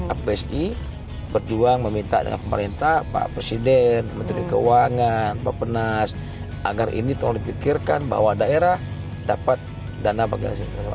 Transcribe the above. apsi berjuang meminta pemerintah pak presiden menteri keuangan pak penas agar ini tolong dipikirkan bahwa daerah dapat dana bagi hasil serangan